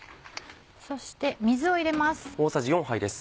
そして水を入れます。